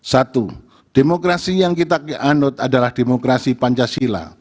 satu demokrasi yang kita anut adalah demokrasi pancasila